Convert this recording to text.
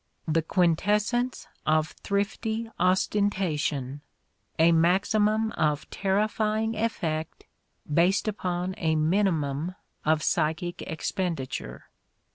The quintessence of thrifty ostentation, a, maximum of terrifying effect based upon a minimum of psychic ex penditure!